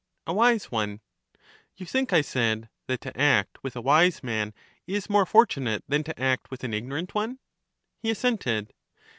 A wise one. You think, I said, that to act with a wise man is more fortunate than to act with an ignorant one? He assented.